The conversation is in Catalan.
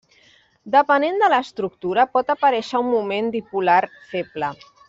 Depenent de l'estructura, pot aparèixer un moment dipolar feble.